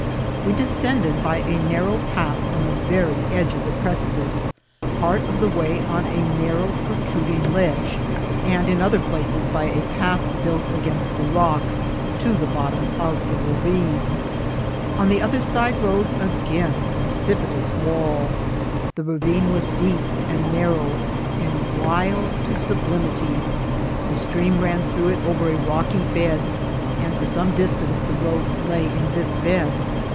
We descended by a narrow path on tbe very edge of the precipice, part of the way on a narrow protmdiBg ledge, and in other places by a path buih against the rock to Ae bottom <^ the ravine* On the other side rose another pieeqntous walL The ravine was deep and narrow, and wild to sublimity. The stream ran throu^ it ov«r a rocky bed, and for some distance the road lay in this bed.